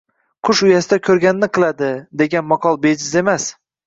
”Qush uyasidagi ko‘rganini qiladi’’, degan maqol bejiz emas